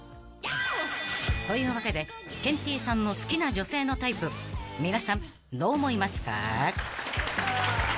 ［というわけでケンティーさんの好きな女性のタイプ皆さんどう思いますか？］